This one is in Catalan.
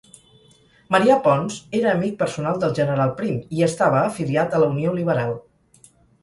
Marià Pons era amic personal del general Prim i estava afiliat a la Unió Liberal.